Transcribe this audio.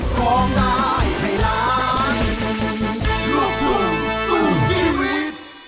ขอบคุณสวรรค์เมตตาประทานอ้ายมายาใจ